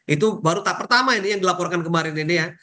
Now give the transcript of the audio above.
itu baru tahap pertama ini yang dilaporkan kemarin ini ya